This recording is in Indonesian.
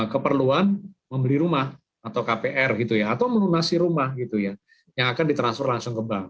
keperluan membeli rumah atau kpr gitu ya atau melunasi rumah gitu ya yang akan ditransfer langsung ke bank